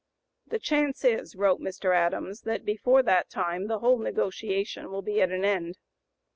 "The chance is," wrote Mr. Adams, "that before that time the whole negotiation will be at an end."